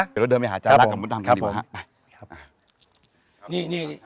เดี๋ยวเราเดินไปหาจารักกับมุนตำกันดีกว่าครับผมครับผมไปครับนี่นี่นี่